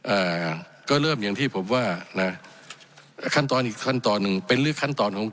อ่าก็เริ่มอย่างที่ผมว่านะขั้นตอนอีกขั้นตอนหนึ่ง